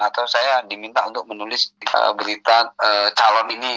atau saya diminta untuk menulis berita calon ini